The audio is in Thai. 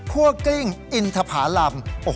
กลิ้งอินทภารำ